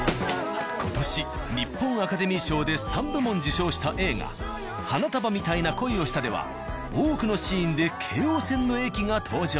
今年日本アカデミー賞で三部門受賞した映画「花束みたいな恋をした」では多くのシーンで京王線の駅が登場。